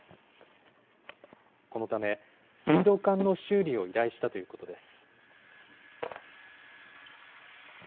このため、水道管の修理を依頼したということです。